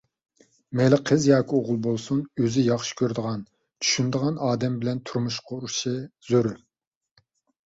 مەيلى قىز ياكى ئوغۇل بولسۇن، ئۆزى ياخشى كۆرىدىغان، چۈشىنىدىغان ئادەم بىلەن تۇرمۇش قۇرۇشى زۆرۈر.